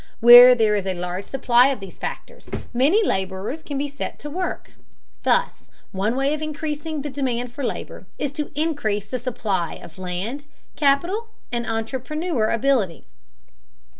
Where there is a large supply of these factors, many laborers can be set to work. Thus one way of increasing the demand for labor is to increase the supply of land, capital, and entrepreneur ability.